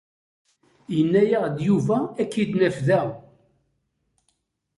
Yenna-yaɣ-d Yuba ad k-id-naf da.